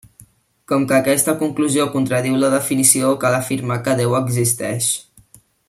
Com que aquesta conclusió contradiu la definició, cal afirmar que Déu existeix.